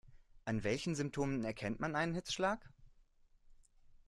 An welchen Symptomen erkennt man einen Hitzschlag?